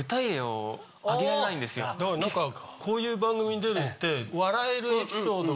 だから何かこういう番組に出るって。